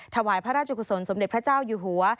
ถวายพระราชกุศลสมเด็จพระเจ้าอยู่หัว